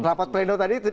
rapat pleno tadi